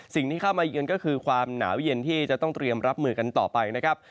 สิ่งที่เข้ามาเยือนก็คือความหนาวเย็นที่จะต้องเตรียมรับมือกันต่อไปนะครับ